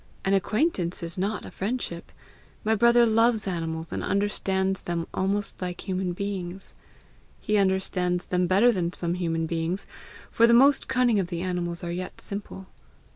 An acquaintance is not a friendship! My brother loves animals and understands them almost like human beings; he understands them better than some human beings, for the most cunning of the animals are yet simple.